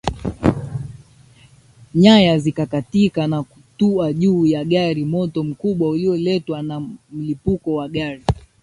Nyaya zikakatika na kutua juu ya gari moto mkubwa ulioletwa na mlipuko wa gari